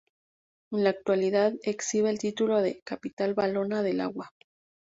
En la actualidad exhibe el título de "Capital valona del agua".